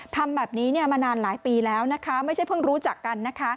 ทำแบบนี้มานานหลายปีแล้วนะคะไม่ใช่เพิ่งรู้จักกันนะคะ